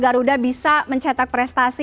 garuda bisa mencetak prestasi